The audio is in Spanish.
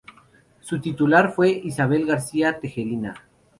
Su titular fue Isabel García Tejerina.